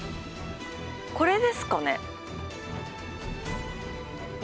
これですかね？